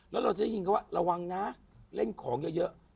แล้วเราจะได้ยินเขาว่าระวังนะเล่นของเยอะ